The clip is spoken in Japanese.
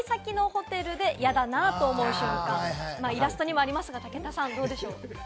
イラストにもありますが、武田さん、どうでしょう？